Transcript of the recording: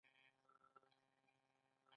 پاڅون کوونکي په شدید ډول وټکول شول.